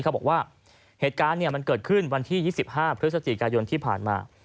เขาบอกว่าเหตุการณ์มันเกิดขึ้นวันที่๒๕พฤศจิกายนที่ผ่านมา